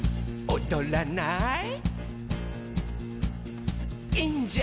「おどらない？」